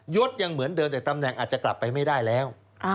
ศยังเหมือนเดิมแต่ตำแหน่งอาจจะกลับไปไม่ได้แล้ว